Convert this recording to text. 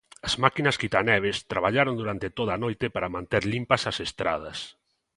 As máquinas quitaneves traballaron durante toda a noite para manter limpas as estradas.